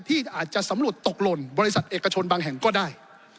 ที่อาจจะสำรวจตกหล่นบริษัทเอกชนบางแห่งก็ได้